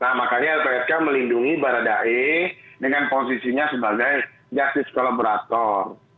nah makanya lprk melindungi barra da'e dengan posisinya sebagai justice collaborator